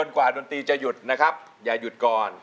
กว่าดนตรีจะหยุดนะครับอย่าหยุดก่อน